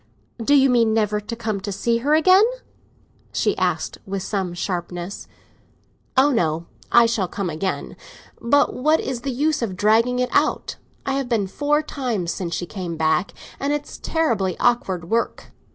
"Do you mean never to come to see her again?" she asked, with some sharpness. "Oh no, I shall come again; but what is the use of dragging it out? I have been four times since she came back, and it's terribly awkward work.